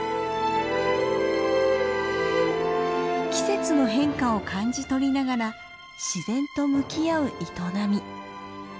季節の変化を感じ取りながら自然と向き合う営み。